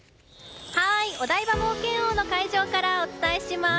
お台場冒険王の会場からお伝えします。